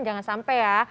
jangan sampai ya